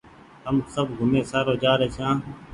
هم سب گھومي سآرو جآري ڇآن